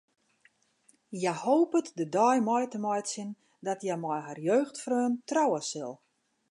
Hja hopet de dei mei te meitsjen dat hja mei har jeugdfreon trouwe sil.